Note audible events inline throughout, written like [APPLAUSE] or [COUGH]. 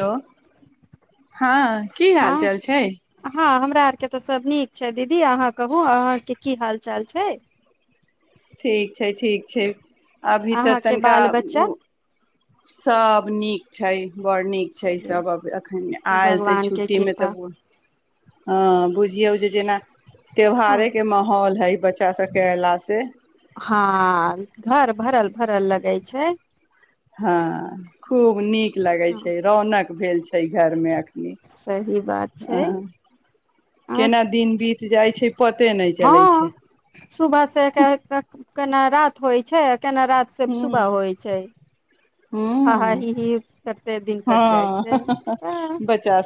hello हँ की हाल हँ चाल छै हँ हमरा आरके तऽ सब नीक छै दीदी अहाँ कहू अहाँके की हाल चाल छै ठीक छै ठीक छै अभी तऽ अहाँके तनिका बाल बच्चा ओ- सभ नीक छै बड़ नीक छै चलू सब अब एखन आएल से भगवान के छुट्टीमे कृपा तऽ हँ बुझियौ जे जेना हँ त्यौहारे के माहौल हइ बच्च- बच्चा सबके अएलासँ हँ घर भरल भरल लगै छै हँ खूब नीक लगै हँ छै रौनक भेल छै घर मे सही बात छै आओर केना दिन बीत जाइ छै पते नहि चलै छै हँ सुबह से क-केना रात होइ छै केना रात से सुबह हूँ होइ छै हूँ हाहााही ही करते दिन कट जाइ छै हँ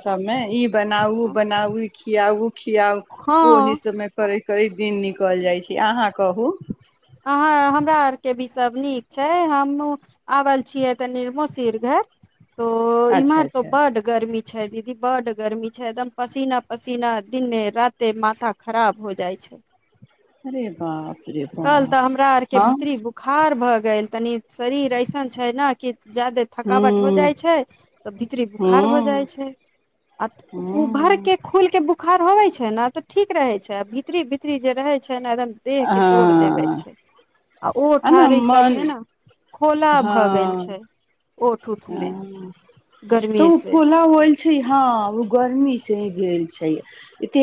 समे ई बनाउ बनाउ खियाउ खियाउ ओहि हँ सबमे करै कै दिन निकलि जाइत छै अहाँ कहू अहाँ हमरा आरके भी सभ नीक छै हमहूँ आबल छियै तऽ निरमो [UNINTELLIGIBLE] तो अच्छा इमर त अच्छा बड्ड गर्मी छै दीदी बड्ड गर्मी छै एकदम पसीना पसीना दिने राते माथा खराब हो जाइ छै अरे बाप रे कल तऽ बाप हमरा आरके हँ भितरी बुखार भऽ गेल तनि शरीर ऐसन छै न की ज्यादे थकावट हो जाइ हूँ छै तऽ भितरी बुखार हो जाइ हूँ छै आ उ भर हूँ के खुल के बुखार बोखार होबै छै न तऽ ठीक रहै छै आ भितरी भितरी जे रहै छै एकदम देह के तोड़ देबे हँ छै आ ओ ने ठारी मन सबमे न खोला भ गेल हँ छै ओठ उठ मे हँ तऽ गर्मी ओ से फोला होल छै हँ ओ गर्मी से भेल छै एते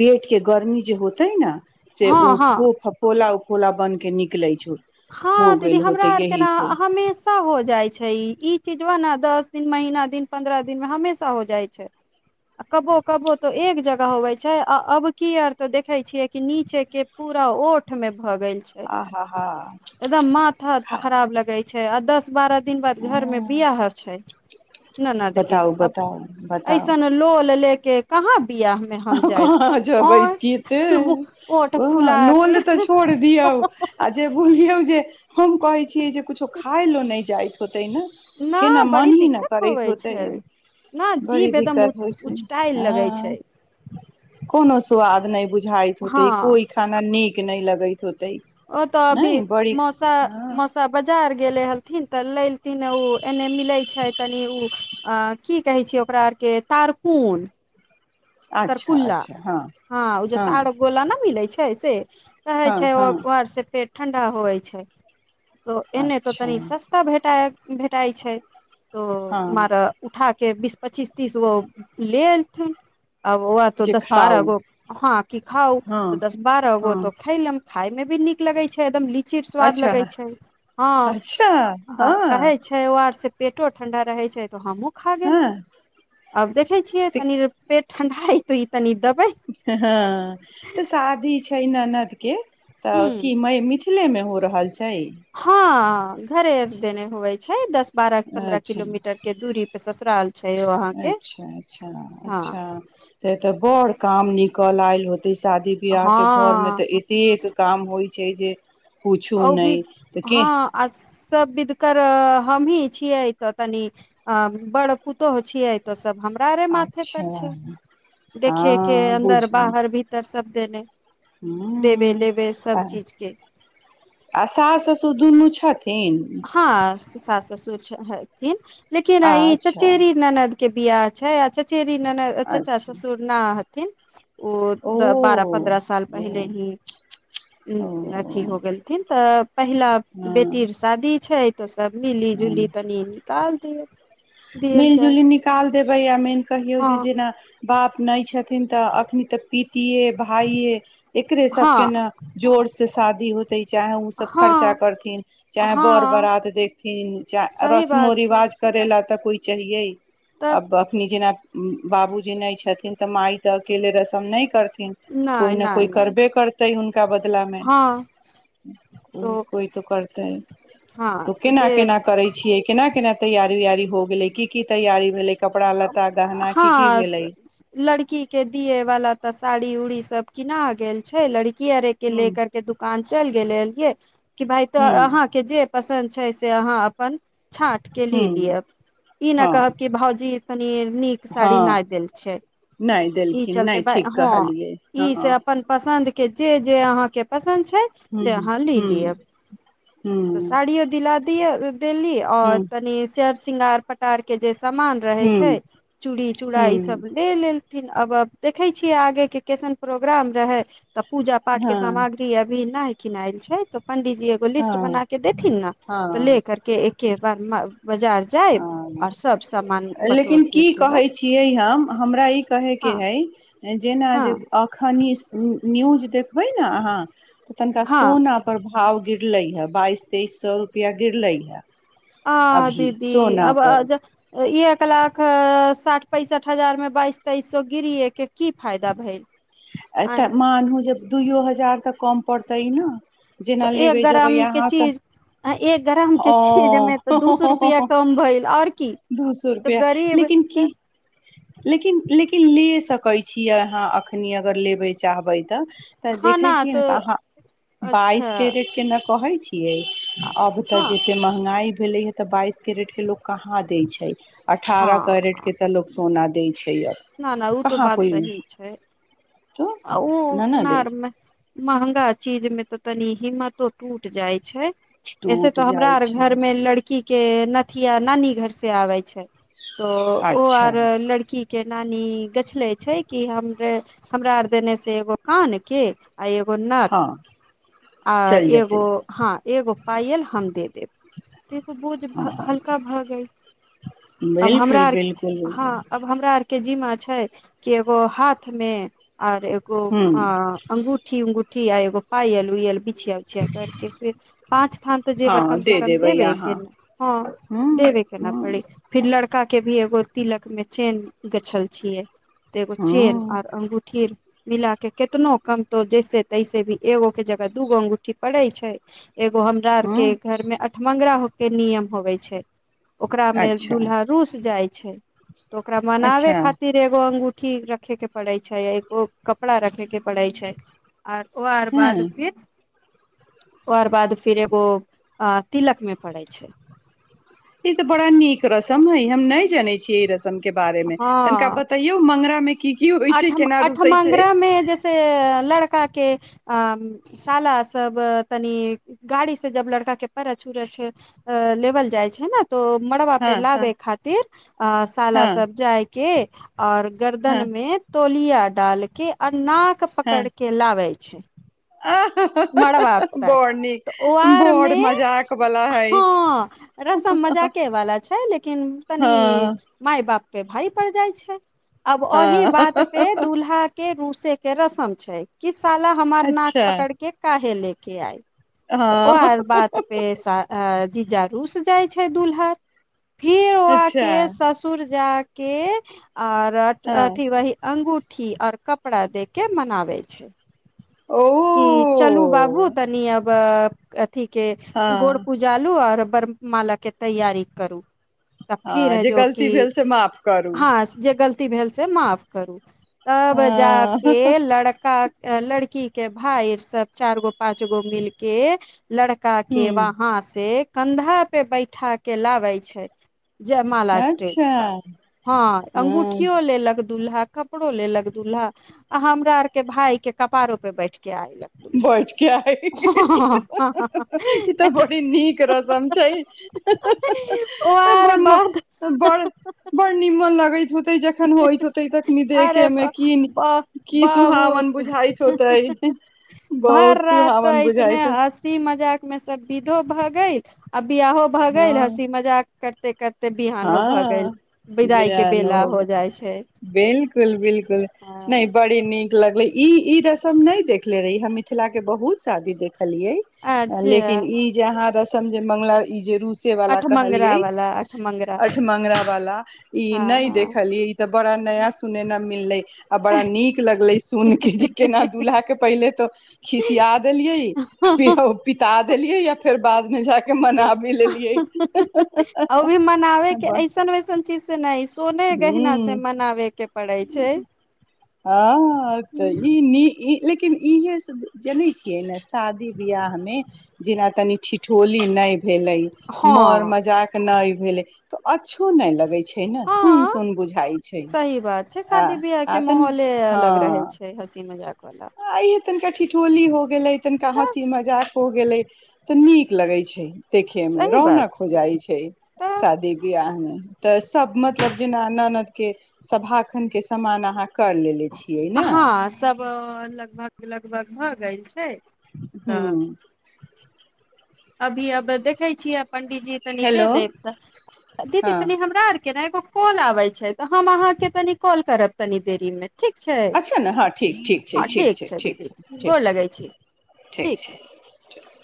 पेट के गर्मी जे होते न से हँ ओ हँ फु-फफोला उ कोला बन के निकले छौ हँ दीदी हमरा आर के न हमेशा हो जाइ छै ई चीज वा ने दस दिन महना दिन पन्द्रह दिन मे हमेशा हो जाइ छै कबो कबो तो एक जगह होवे छै आ अब की आर तो देखे छियै कि नीचे के पूरा ओठ में भ गेल छै आ ह ह एकदम माथा खराब लगै छै आ दस बारह दिन बाद घर मे बियाह छै ननद के बताउ आ बताउ ऐसन लोल ले के कहाँ बियाह में आ हम जायब कहाँ जेबै और ती ते ओठ फुला के लोल तऽ छोड़ दियौ आ जे बुलियौ जे हम कहै छियै जे कुछो खाइ लऽ नहि जाइत होतै ने न केना बड़ी मन ही ने दिक्कत करैत होवे होतै छै न बड़ी जीभ एकदम दिक्कत होइत छै उचटायल लगै छै हँ कोनो स्वाद नहि बुझ इत हँ होतै कोनो खाना नीक नहि लगै ओ तऽ अभी मौसा हँ मौसा बजार गेले हलथिन तऽ लै तने ओ एन्ने मिलै छै तनी ओ अ की कहै छियै ओकरा आरके तारकून अच्छा तरकुल्ला अच्छा हँ हँ ओ जे तार गोला न मिले छै से कहै हँ छै हँ व्हाट्सप्प ठण्डा होइ छै त एने त अच्छा तनी सस्ता भेटाइ भेटाइ छै त हँ मर उठा के बिस पच्चीस तीस गो लेएथुन आब ओ तो जे दस बारह खाउ गो हँ की खाउ हँ तऽ दस बारह गो हँ तो खैलम खाइ मे भी नीक लगै छै एकदम लि - चीर स्वाद अच्छा लगै छै हँ अच्छा आ हँ कहै छै ओ आर से पेटो ठंडा रहै छै तऽ हमहूँ खा गेल हँ आब देखै छियै तनि र पेट ठणडा आत ई तनी देबै हँ तऽ शादी छै [UNINTELLIGIBLE] हूँ तऽ की मइ न मिथिल खुले मे हो रहल छै छै घरेर देने हुयै छै दस बारह पन्द्रह अच्छा किलोमीटर के दूरी पे ससुराल छै ओ अहाँके अच्छा अच्छा हँ अच्छा ते तऽ बर काम निकल आएल होत शादी विवआह के घर हँ मे त एतेक काम होइ छै जे पुछू औ नहि भी तऽ के- हँ आ सब विधकर हमहीं छियै त तनि बड़ पुतौह छियै त सब हमरा माथे पर छै अच्छा देखे के हँ अन्दर बुझू बाहर भीतर सब देने देबे हूँ लेबे सब आ चीजके आ सास ससुर दुनू छथि हाँ सास ससुर छै छथिन लेकिन ई अच्छा चचेरी ननद के बिआह छै अ- चचेरी ननद चचा अच्छा ससुर ना क [UNINTELLIGIBLE] ओ तऽ बारह पन्द्रह साल ओ पहिले ही ओ अथी हो गेलथिन तऽ पहिला हँ बेटी शा- -दी छै तऽ सब मिली जुली तनि निकाल देत मिलजुली निकालि देबै आ मेन कहियौ जे हँ जेना बाप नहि छथिन तऽ एखन तऽ पितीयए भाइे एकरे सबके हँ न जोर से शादी होतै चाहे ओसभ खर्चा हँ करथिन चाहे बर हँ बरात देखथिन चाहे सही रस्मो बात छै रिवाज करैलाए त [UNINTELLIGIBLE] चहियै तब अब एखनी जेना बाबूजी नहि छथिन तऽ माइ तऽ अकेले रस्म नहि करथिन कोइ नहि न नहि कोइ नहि करबै करत तऽ हुन का बदला मे हँ तो कोइ तऽ कर तऽ हँ तऽ केना जे केना करै छियै केना केना तैयार वयारी हो गेलै की की तैयारी भेलै कपड़ा लत्ता गहना की की हँ भेलै स-स लड़की के दिए वाला तऽ साड़ी उड़ी सब किना गेल छै लड़की- -कियरे के हूँ ले करके दुकान चल गेलियै एलियै कि भाइ तऽ हूँ अहाँ के जे पसन्द छै से अहाँ अपन छाँट के लै हूँ लिअब ई न कहब हँ कि भौजी नीक साड़ी हँ नहि देल छै नहि ई देलखिन चलते नहि ठीक ब-हँ कहलियै हँ ई से अपन [UNINTELLIGIBLE] के जे जे अहाँके पसन्द छै हूँ से अहाँ ले हूँ लिअ तऽ हूँ साड़ियो दिला दिअ देली आओर हूँ कनि से - शृंगार पटार के जे सामान रह- हूँ छै चूड़ी चूड़ा ई सब हूँ ले लेल छथिन अब-अब देखै छियै आगेके कैसन प्रोग्राम रहै तऽ पूजा पाठ के हँ सामग्री अभी नहि किनैयल छै तऽ पंडीजी एगो लिस्ट हँ बना के देथिन ने तऽ ले हँ करके एके बार बजार जायब हँ आओर सब समान ब- लेकिन की कहै छियै हम हमरा ई कहै के हँ हइ जेना हँ जे एखनि न्यूज देखबै ने अहाँ तऽ तनिका हँ सोना पर भाव गिरलै हँ बाइस तेइस सौ रुपैआ गिरलै हँ आँ दीदी आब ब-ज एक लाख साठि पैंसठ हजार मे बाइस तेइस सौ गिरीयै कऽ की फायदा भेल आँय एतह मानु जे दूयौ हजार तऽ कम पड़तै ने तऽ जेना एक लेबे जेबै ग्रामके अहाँ चीज तऽ आ एक ग्रामके चीजमे तऽ ओ दू सौ रुपैआ कम भेल आओर की दू सौ तऽ रुपआ गरीब लेकिन की लेकिन लेकिन ले- सकै छियै अहाँ अखनी अगर लेबै चाहबै तऽ देखैय छियै न तऽ अहाँ बाइस अच्छा कें रेट के न कहै छियै अब तऽ हँ जेते महंगाई भेलै हँ तऽ बाइस के रेट के लोक कहाँ दै छै अठारह कैरेट के तऽ लो- सोना दै छै अब ना ना उ तऽ कहाँ बात कोइ सही छै तऽ आ- उ न न उतना दे आरमे मंहगा चीजमे तऽ तनि हिम्मतो टूट जाइ छै ऐसे टूट तऽ हमरा जाइ आर छै घर मे लड़की की के नथिया नानी घर से आबै छै तो ओ अच्छा आर लड़की के नानी गछले छै की हमरे हमरा आर देने से एगो कान के आ एगो हँ नथ आ चलि एगो जेतै हँ एगो पायल हम दे देब एगो बोझ हँ हल्का भ गेल आब हमरा बिलकुल आर बिलकुल हँ बिलकुल आब हमरा आर के जिमा छै की एगो हाथ मे आओर एगो हूँ अं अंगूठी उंगू - -ठी आ एगो पायल उयील छिया उछिया करके फेर पाँच थान तऽ जेवर कम हँ से दे कम देबै देबे के अहाँ हँ हूँ देबे के न हूँ पड़ी फिर लड़का के भी गोर तिलक मे चेन गछल छियै एगो चेन हूँ आ अंगू- मिला के कतनो कमतो जैसे तैसे भी एगो के जगह दूगो अंगूठी पड़ै छै एगो हमरा आर के हूँ घर मे अठमंगरा हो के नियम होबै छै ओकरा में अच्छा दूल्हा रुस जाय छै तऽ ओकरा मनाबे अच्छा खातिर एगो अंगु- -ठी रखे के पड़ै छै एको कपड़ा रखेके पड़ै छै आर ओ आर बाद हँ फिर ओ आर बाद फिर एगो अ तिलक मे पड़ै छै ई ते बड़ा नीक रस्म हइ हम नहि जानैय छै ई रस्म के बारेमे तनिका बतइयौ मंगरामे अठ- अठमंगरामे जैस- से लड़का के अ- साला सब तनि गाड़ी से जब लड़का के परछ उरछ लेवल जाइ छै न तो मड़बा हँ पेर हँ लाबे खातिर अ- साल हँ सब जाइ के आओर हँ गर्दन तोलिया डालके आ नाक पकड़ हँ के लाबै छै आह मड़बाप तक बड़ नीक तऽ ओ आर बड़ मे मजाक वाला हय हँ रस्म मजाक वला छै लेकिन तनि हँ माय बाप के भारि पड़ जाइ छै अब ओहि हँ बात पे दूल्हा के रूसे के रस्म छै किस- साला हमार नाक अच्छा पकड़ के काहे ले के आइ- त ओ हँ आर बात पे जीज रूस जाइ छै दूल्हा फिर अच्छा ओआके ससुर जाग- -के आओर हँ अथी वही अंगूठ- -ठी आओर कपड़ा दे के मनाबै छै ओ की चलू बाबू तनि अब अथिके हँ गोड़ पुजालू आओर बर् माला के तैयारी करू तऽ फिर हँ है जे जो कि गलती भेल से माफ करू हँ जे गल- -ती भेल से माफ करू तब हँ जाके लड़का लड़की के भाइ सब चार गो पाँच गो मिलके लड़का के हूँ वहाँ से कन्धा पे बैठा के लाबै छै जय माला स्टेज अच्छा तक हँ हँ अंगूठियो लेलक दूल्हा कपड़ो लेलक दुल्हा आ हमरा आर के भाइ के कपारो पे बैठ के आयलक दूल्हा बैठके आइ गेल हँ -हहह ई तऽ बड़ी नीक रसम छै ओ आर बड़ बाद म-बड़ बड़ निमन लगैत होतै जखन होइत होतै तखनी देखे अरे मे ब की ब की बहुत सुहावन बुझाइत होतै भर बहुत रात तऽ सुहावन ऐसने बुझाइत हँसी मजाक मे सब विधो भग- -गैल अब बिआहो भऽ गेल हँ हँसी मजाक करते करत बिहानो भऽ गेल विदाई के बिहान हो बेला गेल जाइ छै बिल्कुल बिल्कुल नहि हँ बड़ी नीक नीक लगलै ई ई रस्म नहि देखले रहीं मिथिला के हम बहुत शादी देख केखलियै अच्छा लेकिन ई जे अहाँ रस्म समझे मंगला ई जे रूसे वला अठमंगरा कहलियै वाला अठमंगरा आठ मंगरा वला ई नहि हँ देखलियै ई तऽ बड़ा नया सुनेना मिलले आ बड़ा नीक लगलै सुन के जे केना दुल्हा के पहिले तो खिसिया देलियै हँ पिताऽ- देलियै या फेर बादमे जा क के मना भी लेलियै -बनाबे के ऐसन वैसन चीज से नहि सोने गहना ह से मनावे के पड़ै छै आ-तऽ ई नी- लेकिन इहे सब जनै छियै ने शादी बिआहमे जेना तनि ठिठौली नहि भेलै मर हँ मजाक नहि भेलै तो अच्छो नहि लगै छै छै ने सुन हँ सुन बुझाइ छै सही बात छै शादी बियाह के आ-अ माहौले अलग रहै छै हँसी मजाक [UNINTELLIGIBLE] आ इहे तनिका ठिठोली हो- -गेलै तनिका तऽ हँसी मजाक हो गेलै तऽ नीक लगै छै देखै मे सही बात रौनक हो जाइ छै तऽ शादी विआह मे तऽ सब मतलब जेना ननद के सभाखन के समान अहाँ कर लेली हँ सब लगभग लगभग भए गैल छै तऽ हूँ अभी अब देखै छियै पंडीजी तनि हेलो दे देब त दीदी तनि हँ हमरा आरके ने एगो कॉल आबे छै तऽ हम अहाँके तनि कॉल करब तनि देरी मे अच्छा न हँ ठीक ठीक छै ठीक छै ठीक दीदी छै गोर ठीक लगै छी ठीक छै